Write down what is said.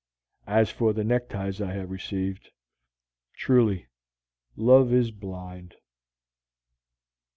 As for the neckties I have received truly, Love is blind!